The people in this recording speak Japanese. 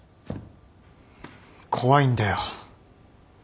怖いんだよ。